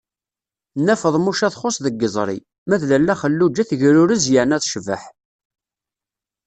Nna Feḍmuca txuṣṣ deg yiẓri, ma d Lalla Xelluǧa tegrurez yerna tecbeḥ.